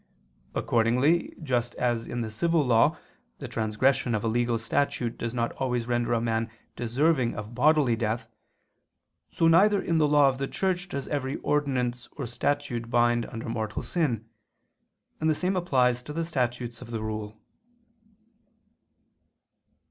Accordingly, just as in the civil law the transgression of a legal statute does not always render a man deserving of bodily death, so neither in the law of the Church does every ordinance or statute bind under mortal sin; and the same applies to the statutes of the rule.